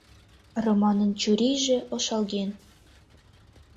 Романын чурийже ошалген.